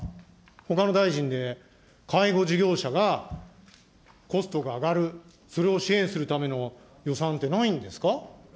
ほかの大臣で、介護事業者がコストが上がる、それを支援するための予算ってないんですか。